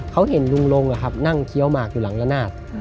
เขาเห็นลุงอะครับนั่งเคี้ยวมากอยู่หลังระนาฬ